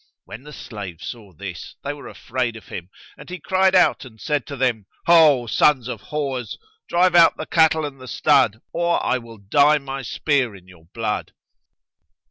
When the slaves saw this, they were afraid of him, and he cried out and said to them, "Ho, sons of whores, drive out the cattle and the stud or I will dye my spear in your blood."